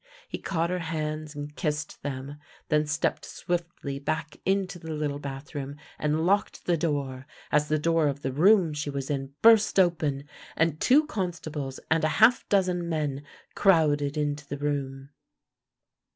He caught her hands and kissed them, then stepped swiftly back into the little bathroom, and locked the door, as the door of the room she was in burst open, and two constables and a half dozen men crowded into the room.